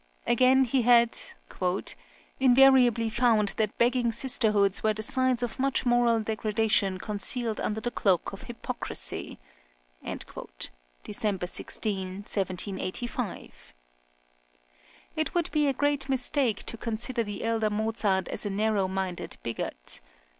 Again, he had "invariably found that begging sisterhoods were the signs of much moral degradation concealed under the cloak of hypocrisy" (December 16, 1785). It would be a great mistake to consider the elder Mozart as a narrow minded bigot.